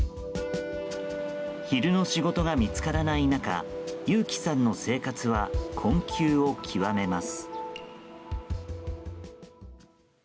昼の仕事が見つからない中ユウキさんの生活は困窮を極めます。